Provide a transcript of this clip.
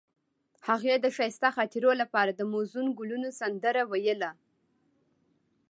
هغې د ښایسته خاطرو لپاره د موزون ګلونه سندره ویله.